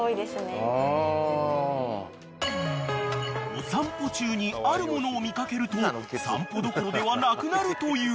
［お散歩中にあるものを見掛けると散歩どころではなくなるという］